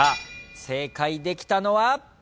正解できたのは。